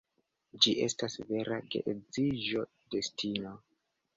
Ĝi estas vera geedziĝa destino.